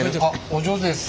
お上手です！